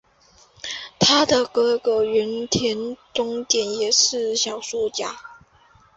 她的哥哥原田宗典也是小说家。